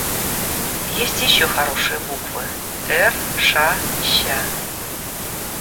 Есть еще хорошие буквы: Эр, Ша, Ща.